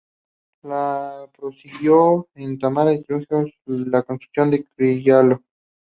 Los prosiguió en Tarma y Trujillo y los concluyó en Chiclayo.